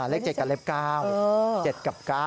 เลข๗กับเลข๙